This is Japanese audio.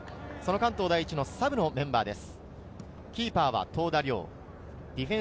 関東第一のサブのメンバーです。